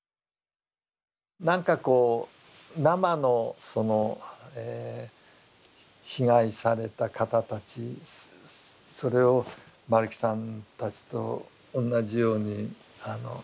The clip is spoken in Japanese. なんかこう生のその被害された方たちそれを丸木さんたちと同じように見たというか。